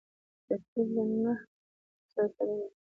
ترکیب له نحوي سره تړلی دئ.